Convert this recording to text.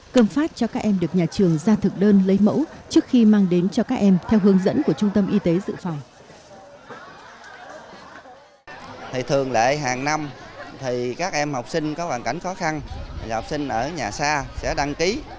cơm phát cho các em được nhà trường ra thực đơn lấy mẫu trước khi mang đến cho các em theo hướng dẫn của trung tâm y tế dự phòng